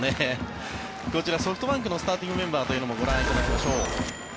こちら、ソフトバンクのスターティングメンバーというのもご覧いただきましょう。